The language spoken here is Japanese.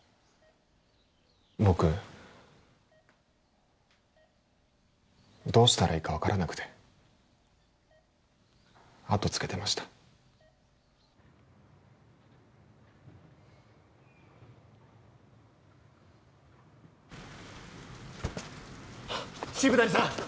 僕どうしたらいいか分からなくてあとつけてました渋谷さん！